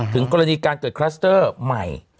ถึงกรณีการเกิดคลัสเตอร์ใหม่